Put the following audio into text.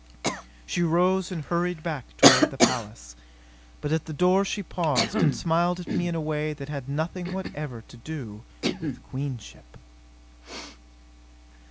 She rose and hurried back toward the palace. But at the door she paused and smiled at me in a way that had nothing whatever to do with queenship.